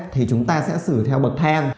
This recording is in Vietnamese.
thì chúng ta sẽ xử theo bậc thang